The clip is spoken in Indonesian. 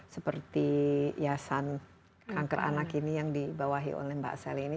seperti yasan kanker anak ini yang dibawahi oleh mbak sally ini